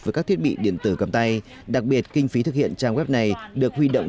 với các thiết bị điện tử cầm tay đặc biệt kinh phí thực hiện trang web này được huy động